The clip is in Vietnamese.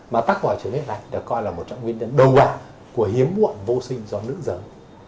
mà tắc vỏ trứng như thế này đã coi là một trong nguyên nhân đầu bản của hiếm buộn vô sinh do nữ giống